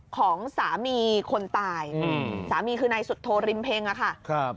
ของสามีคนตายอืมสามีคือนายสุโธริมเพ็งอะค่ะครับ